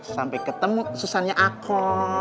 sampai ketemu susannnya aku